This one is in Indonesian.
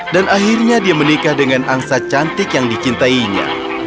akhirnya dia menikah dengan angsa cantik yang dicintainya